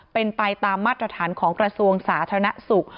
เป็นไปตามมาตรฐานของกระทรวงสาธารณสุข